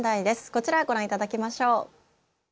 こちらご覧頂きましょう。